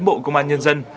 bộ công an nhân dân